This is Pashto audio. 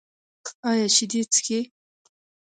ایا شیدې څښئ؟